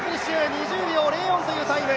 ２０秒０４というタイム。